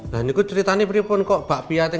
berita terkini mengenai bambang pakbiyawa